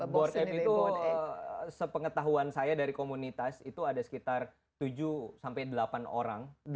boardcape itu sepengetahuan saya dari komunitas itu ada sekitar tujuh sampai delapan orang